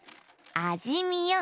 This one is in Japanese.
あじみよ！